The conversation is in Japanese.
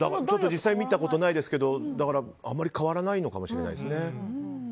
実際見たことないですけどあまり変わらないのかもしれないですね。